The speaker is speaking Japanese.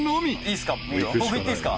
「いいですか？